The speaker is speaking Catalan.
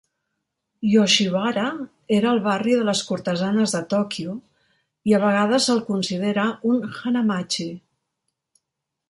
Yoshiwara era el barri de les cortesanes de Tòquio i a vegades se'l considera un "hanamachi".